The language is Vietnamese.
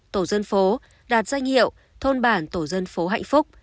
tổ dân phố đạt danh hiệu thôn bản tổ dân phố hạnh phúc